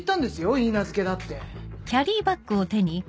許嫁だって。